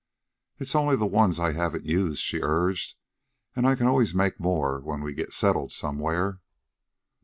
"It's only the ones I haven't used," she urged; "and I can always make more when we get settled somewhere."